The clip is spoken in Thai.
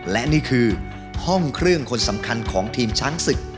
และนี่คือห้องเครื่องคนสำคัญของทีมช้างศึก